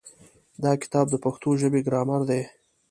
دا کتاب د پښتو ژبې ګرامر دی.